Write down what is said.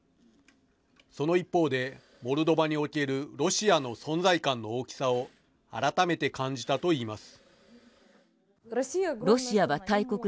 その一方で、モルドバにおけるロシアの存在感の大きさを改めて感じたといいます。